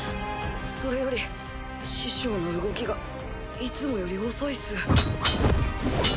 それより師匠の動きがいつもより遅いっす。